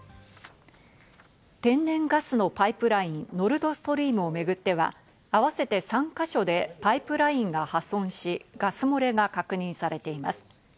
天然ガスのパイプライン・ノルドストリームをめぐっては、合わせて３か所でパイプラインが破損し、ガス漏れが確認されています。